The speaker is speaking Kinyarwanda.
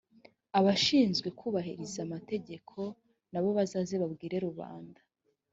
abashinzwe kubahiriza amategeko na bo bazaze babwire rubanda